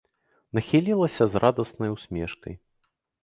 Нахілілася з радаснай усмешкай.